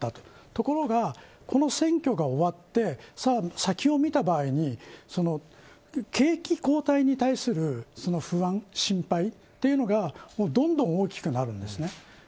ところが、この選挙が終わって先を見た場合に景気後退に対する不安、心配というのがどんどん大きくなるんですね。